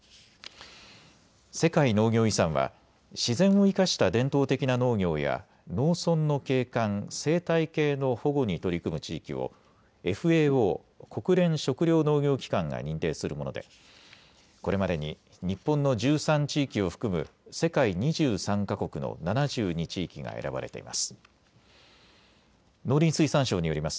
世界農業遺産は自然を生かした伝統的な農業や農村の景観、生態系の保護に取り組む地域をＦＡＯ・国連食糧農業機関が認定するものでこれまでに日本の１３地域を含む世界２３か国の７２地域が選ばれています。